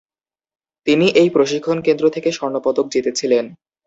তিনি এই প্রশিক্ষণ কেন্দ্র থেকে স্বর্ণপদক জিতেছিলেন।